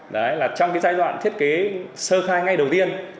đấy là trong cái giai đoạn thiết kế sơ khai ngay đầu tiên